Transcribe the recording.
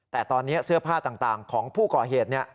แต่ตอนนี้เสื้อผ้าต่างของผู้ก่อเหตุ